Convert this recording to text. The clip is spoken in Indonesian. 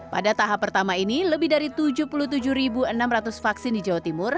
pada tahap pertama ini lebih dari tujuh puluh tujuh enam ratus vaksin di jawa timur